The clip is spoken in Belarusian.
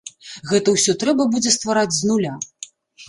Гэта ўсё трэба будзе ствараць з нуля.